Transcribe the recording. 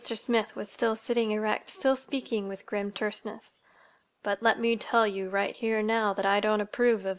Smith was still sitting erect, still speaking with grim terseness. "But let me tell you right here and now that I don't approve of that doctrine of yours."